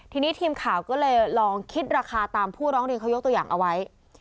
ทีนี้ทีมข่าวก็เลยลองคิดราคาตามผู้ร้องเรียนเขายกตัวอย่างเอาไว้